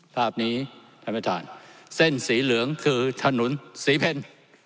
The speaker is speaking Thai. ภาพนี้ท่านประธานเส้นสีเหลืองคือถนนศรีเพล